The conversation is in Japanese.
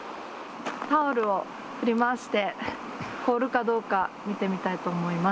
タオルを振り回して、凍るかどうか見てみたいと思います。